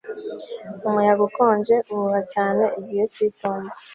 Umuyaga ukonje uhuha cyane igihe cyitumba